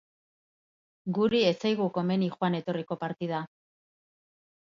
Guri ez zaigu komeni joan etorriko partida.